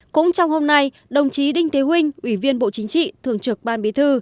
cũng trong hôm nay đồng chí đinh thế huynh ủy viên bộ chính trị thường trược ban bí thư